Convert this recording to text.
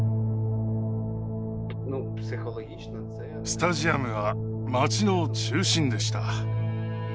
スタジアムは町の中心でした。